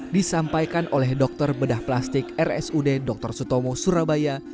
disampaikan oleh dokter bedah plastik rsud dr sutomo surabaya